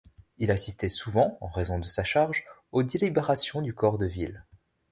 Il assistait souvent, en raison de sa charge, aux délibérations du corps de ville.